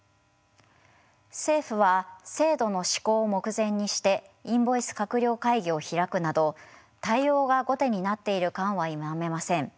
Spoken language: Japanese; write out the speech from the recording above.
政府は制度の施行を目前にしてインボイス閣僚会議を開くなど対応が後手になっている感は否めません。